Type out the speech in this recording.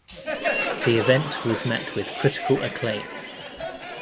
The event was met with critical acclaim.